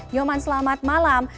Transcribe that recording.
nyoman selamat malam